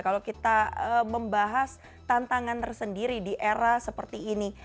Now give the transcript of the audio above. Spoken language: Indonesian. kalau kita membahas tantangan tersendiri di era seperti ini